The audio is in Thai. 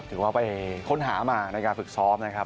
ถือว่าไปค้นหามาในการฝึกซ้อมนะครับ